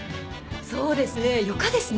そうですね。よかですね。